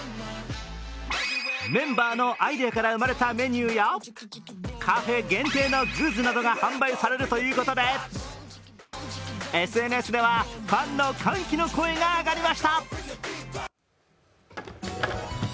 メンバーのアイデアから生まれたメニューやカフェ限定のグッズなどが販売されるということでＳＮＳでは、ファンの歓喜の声が上がりました。